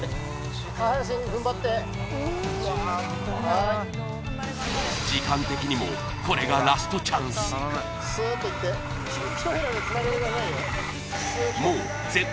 はい時間的にもこれがスーッといってひとへらでつなげてくださいよ